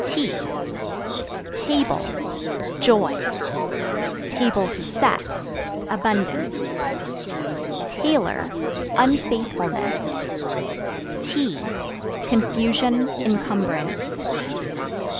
T Table Joy; (to set) abundance. Tailor Unfaithfulness. Tea Confusion, incumbrance.